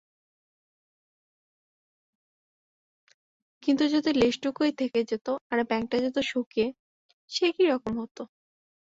কিন্তু যদি লেজটুকুই থেকে যেত, আর ব্যাঙটা যেত শুকিয়ে, সে কি-রকম হত?